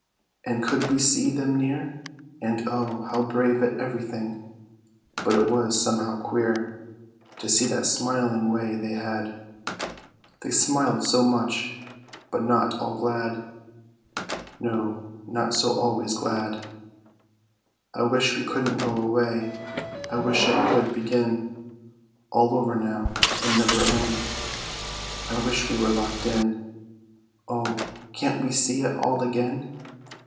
And could we see them near? And Oh, how brave at everything! But it was somehow queer To see that smiling way they had: They smiled so much, but not all glad; No, not so always glad. I wish we couldn't go away; I wish it would begin All over, now, and never end; I wish we were Locked In! Oh, can't we see it all again?